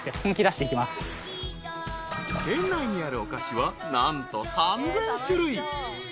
［店内にあるお菓子は何と３，０００種類］